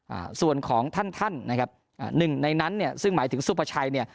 อ่าส่วนของท่านท่านนะครับอ่าหนึ่งในนั้นเนี่ยซึ่งหมายถึงสุภาชัยเนี่ย